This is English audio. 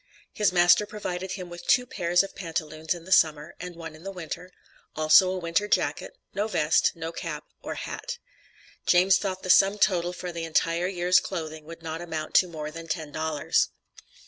His master provided him with two pairs of pantaloons in the summer, and one in the winter, also a winter jacket, no vest, no cap, or hat. James thought the sum total for the entire year's clothing would not amount to more than ten dollars.